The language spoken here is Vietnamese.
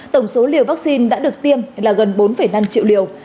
tổng số liều vaccine đã được tiêm là gần bốn năm triệu liều